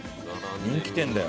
人気店だよ。